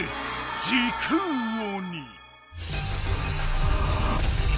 「時空鬼」。